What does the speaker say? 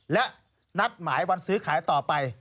และนัดหมายวันซื้อขายต่อไป